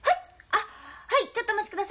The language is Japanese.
あっはいちょっとお待ちください！